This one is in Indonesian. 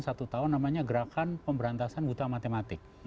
satu tahun namanya gerakan pemberantasan buta matematik